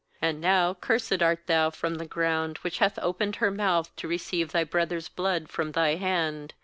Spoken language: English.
uAnd now cursed art thou from the ground, which hath opened her mouth to receive thy brother's blood from thy hand.